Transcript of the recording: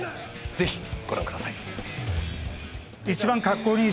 ぜひご覧ください。